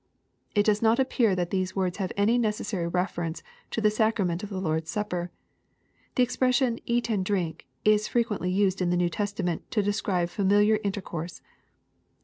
] It does not appear that these words have any necessary reference to the sacrament of the Lord's Supper. The expression, " eat and drink" is fi'e quently used in the New Testament to describe familiar inter course.